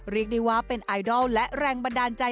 เรียกได้ว่าเป็นไอดอลและแรงบันดาลใจ